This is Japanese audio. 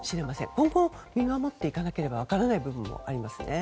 今後、見守っていかなければ分からない部分もありますね。